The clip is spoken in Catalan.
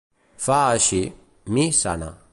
Fa així: «Mi sana.